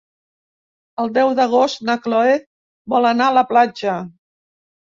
El deu d'agost na Cloè vol anar a la platja.